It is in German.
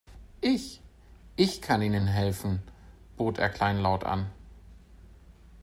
"Ich, ich kann Ihnen helfen", bot er kleinlaut an.